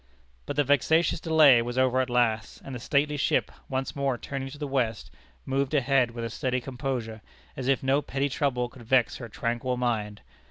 But the vexatious delay was over at last, and the stately ship, once more turning to the West, moved ahead with a steady composure, as if no petty trouble could vex her tranquil mind.